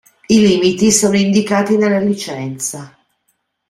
I limiti sono indicati nella licenza.